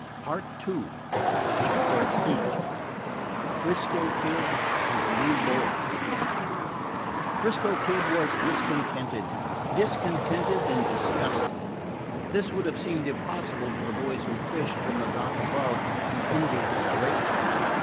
PART II CHAPTER VIII 'FRISCO KID AND THE NEW BOY 'Frisco Kid was discontented discontented and disgusted. This would have seemed impossible to the boys who fished from the dock above and envied him greatly.